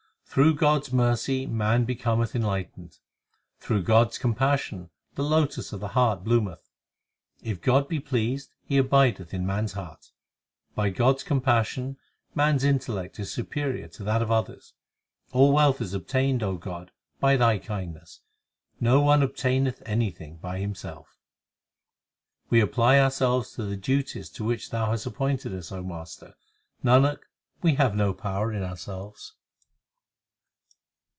Through God s mercy man becometh enlightened ; Through God s compassion the lotus of the heart bloometh. If God be pleased, He abideth in man s heart. By God s compassion man s intellect is superior to that of others. All wealth is obtained, O God, by Thy kindness ; No one obtaineth anything by himself. We apply ourselves to the duties to which Thou hast appointed us, O Master : Nanak, we have no power in ourselves.